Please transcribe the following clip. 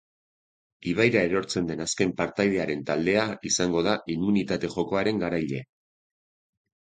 Ibaira erortzen den azken partaidearen taldea izango da immunitate jokoaren garailea.